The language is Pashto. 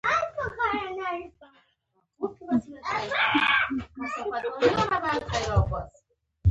د شمالی انګور ډیر خوږ دي.